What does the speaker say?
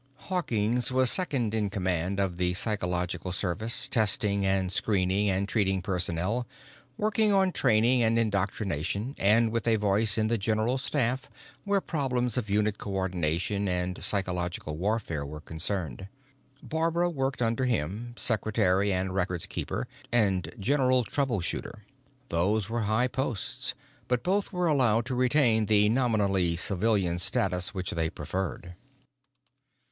Hawkins was second in command of the psychological service, testing and screening and treating personnel, working on training and indoctrination, and with a voice in the general staff where problems of unit coordination and psychological warfare were concerned. Barbara worked under him, secretary and records keeper and general trouble shooter. Those were high posts, but both were allowed to retain the nominally civilian status which they preferred.